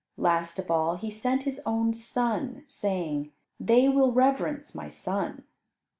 Last of all he sent his own son, saying, "They will reverence my son."